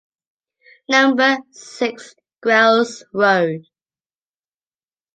Number six, Greles road.